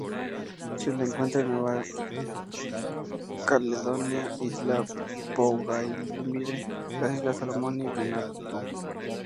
Se lo encuentra en Nueva Caledonia, isla Bougainville, las islas Salomón, y Vanuatu.